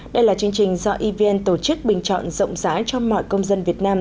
đây là chương trình do evn tổ chức bình chọn rộng rãi cho mọi công dân việt nam